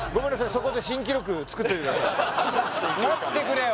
そこで新記録作っといてください待ってくれよ